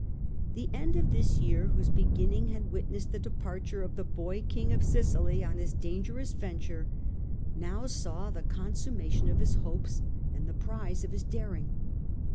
The end of this year, whose beginning had witnessed the departure of the Boy of Sicily on his dangerous ven ture, now saw the consummation of his hopes and the prize of his daring.